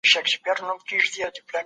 نهه منفي يو؛ اته پاته کېږي.